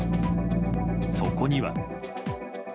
そこには。